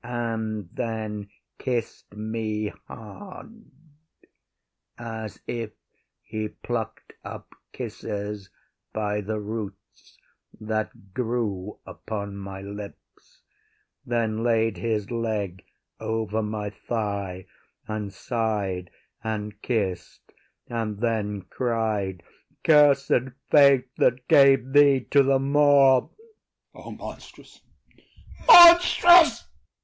” and then kiss me hard, As if he pluck’d up kisses by the roots, That grew upon my lips, then laid his leg Over my thigh, and sigh’d and kiss’d, and then Cried “Cursed fate that gave thee to the Moor!” OTHELLO. O monstrous! monstrous!